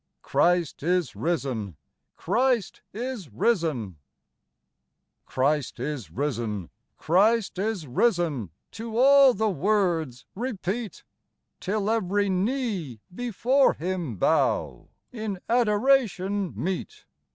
Christ is risen ! Christ is risen ! i33 Christ is risen ! Christ is risen ! To all the words repeat, Till every knee before Him bow In adoration meet.